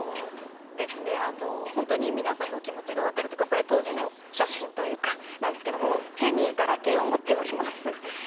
本当に皆さんのお気持ちが分かるというかこれ、当時の写真なんですけども手にガラケーを持っております。